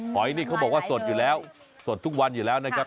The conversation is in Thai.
หอยนี่เขาบอกว่าสดอยู่แล้วสดทุกวันอยู่แล้วนะครับ